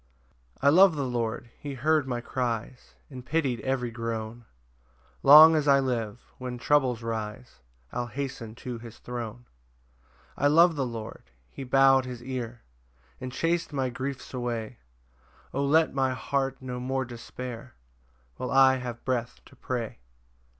1 I love the Lord; he heard my cries, And pity'd every groan: Long as I live, when troubles rise, I'll hasten to his throne. 2 I love the Lord; he bow'd his ear, And chas'd my griefs away; O let my heart no more despair, While I have breath to pray!